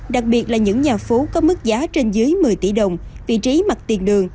đặc biệt là những nhà phố có mức giá trên dưới một mươi tỷ đồng vị trí mặt tiền đường